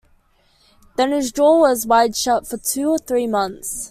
Then his jaw was wired shut for two or three months.